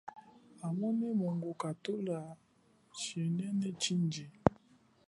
Hamene mungukathuka chimene chindji.